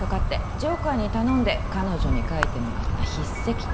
ジョーカーに頼んで彼女に書いてもらった筆跡と